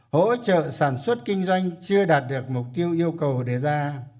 hỗ trợ sản xuất kinh doanh chưa đạt được mục tiêu yêu cầu đề ra